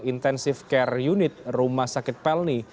intensive care unit rumah sakit pelni